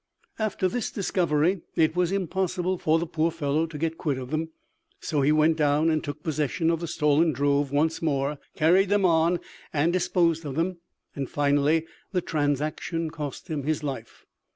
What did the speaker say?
"After this discovery, it was impossible for the poor fellow to get quit of them; so he went down and took possession of the stolen drove once more, carried them on, and disposed of them; and, finally, the transaction cost him his life.